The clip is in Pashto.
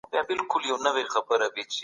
او نه ګران ته رسېدلى يـم